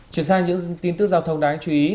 chuyển sang những tin tức giao thông đáng chú ý